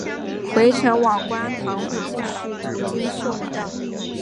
回程往观塘会继续途经秀明道。